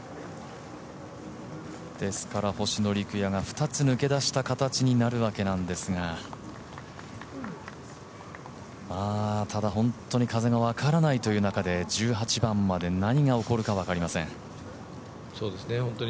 ですから、星野陸也が２つ抜け出した形になるわけですがただ本当に風の分からないという中で１８番まで何が起こるか分かりません。